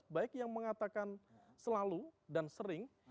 baik yang mengatakan selalu dan sering